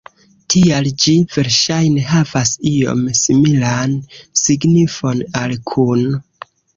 Tial ĝi verŝajne havas iom similan signifon al kun.